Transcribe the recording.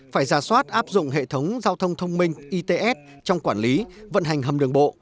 phải ra soát áp dụng hệ thống giao thông thông minh its trong quản lý vận hành hầm đường bộ